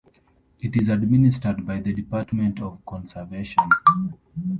It is administered by the Department of Conservation.